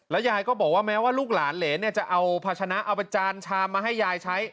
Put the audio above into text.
ยายก็บอกว่าแม้ว่าลูกหลานเหรนจะเอาภาชนะเอาไปจานชามมาให้ยายใช้